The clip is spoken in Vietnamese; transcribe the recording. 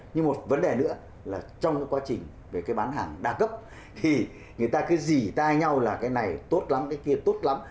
nhưng một vấn đề nữa là trong cái quá trình về cái bán hàng đa cấp thì người ta cứ dỉ tai nhau là cái này tốt lắm cái kia tốt lắm